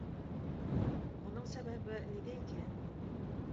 Моның сәбәбе нидә икән?